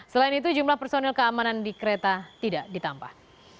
selain itu jumlah personil keamanan di kereta tidak ditambah